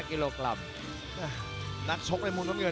๒๓ปีแล้วเราอยู่ที่สอบังพลุกสถานพบสอบังพลุก